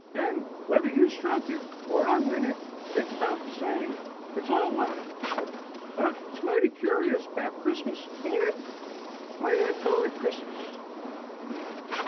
And whether you strike it or I win it, it's about the same. It's all luck. But it's mighty cur'o's about Chrismiss, ain't it? Why do they call it Chrismiss?"